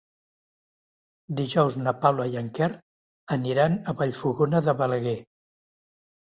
Dijous na Paula i en Quer aniran a Vallfogona de Balaguer.